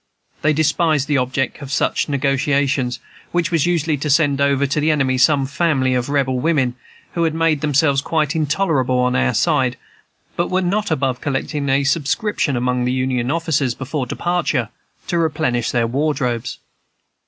They despised the object of such negotiations, which was usually to send over to the enemy some family of Rebel women who had made themselves quite intolerable on our side, but were not above collecting a subscription among the Union officers, before departure, to replenish their wardrobes.